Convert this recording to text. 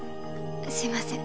すいません